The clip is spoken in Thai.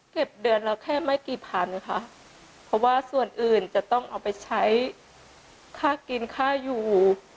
เดือนละแค่ไม่กี่พันค่ะเพราะว่าส่วนอื่นจะต้องเอาไปใช้ค่ากินค่าอยู่